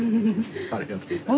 ありがとうございます。